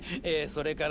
それから。